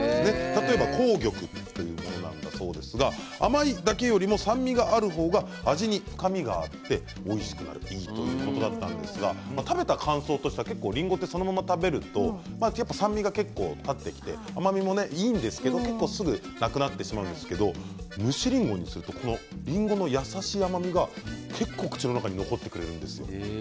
例えば、紅玉だそうですが甘いだけよりも酸味がある方が味に深みがあっておいしくなる、いいということだったんですが食べた感想としては結構りんごは、そのまま食べるとやっぱり酸味が立ってきて甘みもいいんですが、すぐなくなってしまうんですけれど蒸しりんごにするとりんごの優しい甘みが結構、口の中に残ってくれるんです。